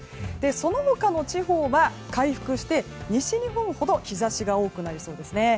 その他の地方は回復して西日本ほど日差しが多くなりそうです。